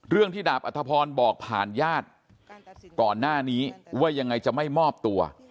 ที่ดาบอัธพรบอกผ่านญาติก่อนหน้านี้ว่ายังไงจะไม่มอบตัว